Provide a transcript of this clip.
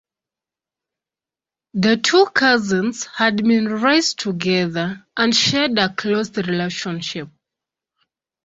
The two cousins had been raised together and shared a close relationship.